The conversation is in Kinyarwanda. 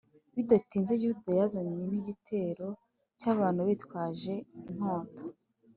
Bidatinze Yuda yazanye n igitero cy abantu bitwaje inkota